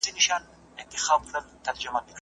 حکومت باید د بې وزلو د هوساینې لپاره خپل وس وکړي.